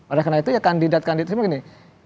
oleh karena itu ya kandidat kandidat ini begini